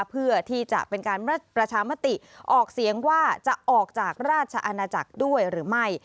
เพื่อที่จะเป็นการประชามติออกเสียงว่าจะออกจากราชอาณาจักรด้วยหรือไม่